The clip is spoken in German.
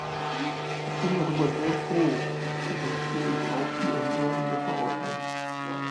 Ich bin darüber sehr froh, und so verstehe ich auch die Änderungen der Verordnung.